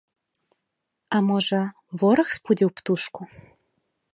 А можа, вораг спудзіў птушку?